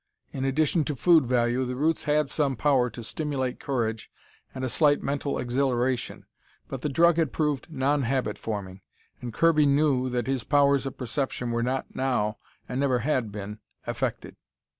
In addition to food value, the roots had some power to stimulate courage and a slight mental exhilaration. But the drug had proved non habit forming, and Kirby knew that his powers of perception were not now, and never had been, affected.